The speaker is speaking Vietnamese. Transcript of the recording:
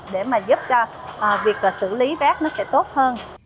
để mà giúp cho việc xử lý rác nó sẽ tốt hơn